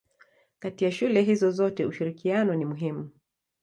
Kati ya shule hizo zote ushirikiano ni muhimu.